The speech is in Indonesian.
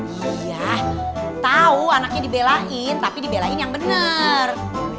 iya tau anaknya dibelain tapi dibelain yang bener